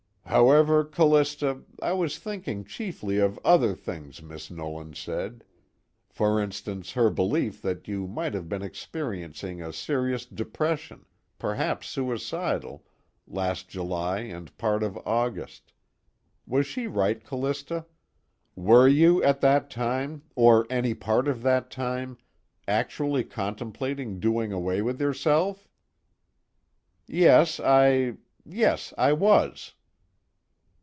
"However, Callista, I was thinking chiefly of other things Miss Nolan said for instance her belief that you might have been experiencing a serious depression, perhaps suicidal, last July and part of August. Was she right, Callista? Were you at that time, or any part of that time, actually contemplating doing away with yourself?" "Yes, I yes, I was."